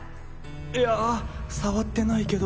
いや触ってないけど？